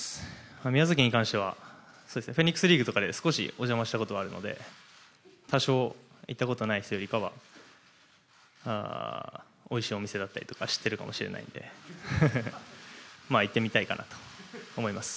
宮崎に関してはフェニックスリーグとかで経験したことがあるので行ったことない選手よりかはおいしいお店を知っていたりするのでまあ、行ってみたいかなと思います。